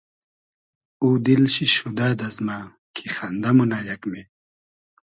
او دیل شی شودۂ دئزمۂ کی خئندۂ مونۂ یئگمې